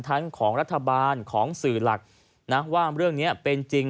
ทั้งของรัฐบาลของสื่อหลักนะว่าเรื่องนี้เป็นจริง